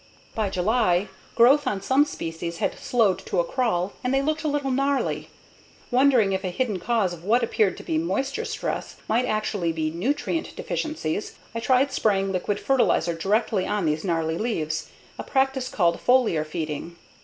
By July, growth on some species had slowed to a crawl and they looked a little gnarly. Wondering if a hidden cause of what appeared to be moisture stress might actually be nutrient deficiencies, I tried spraying liquid fertilizer directly on these gnarly leaves, a practice called foliar feeding.